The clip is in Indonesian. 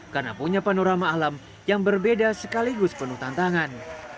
karena punya panorama alam yang berbeda sekaligus penuh tantangan